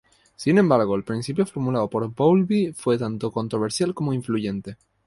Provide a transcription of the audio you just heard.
Sin embargo, el principio formulado por Bowlby fue tanto controversial como influyente.